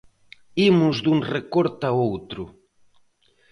Imos dun recorte a outro.